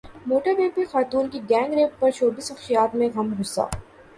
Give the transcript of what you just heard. motor way پر خاتون کے گینگ ریپ پرشوبز شخصیات میں غم غصہ